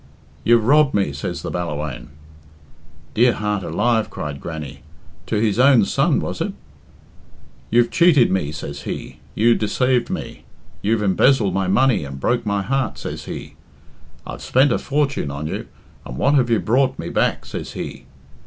"'You've robbed me!' says the Ballawhaine." "Dear heart alive!" cried Grannie. "To his own son, was it?" "'You've cheated me!' says he, 'you deceaved me, you've embezzled my money and broke my heart!' says he. 'I've spent a fortune on you, and what have you brought me back?' says he.